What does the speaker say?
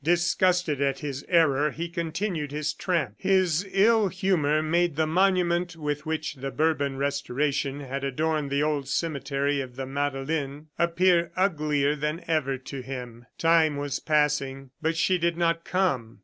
Disgusted at his error, he continued his tramp. His ill humor made the monument with which the Bourbon restoration had adorned the old cemetery of the Madeleine, appear uglier than ever to him. Time was passing, but she did not come.